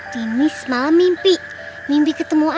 dini semalam mimpi mimpi ketemu ayah